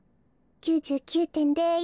９９．０１。